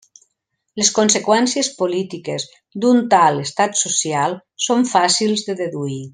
Les conseqüències polítiques d'un tal estat social són fàcils de deduir.